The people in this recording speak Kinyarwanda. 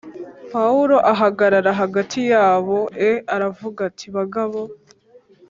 Pawulo ahagarara hagati yabo e aravuga ati bagabo